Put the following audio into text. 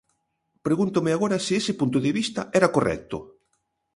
Pregúntome agora se ese punto de vista era correcto.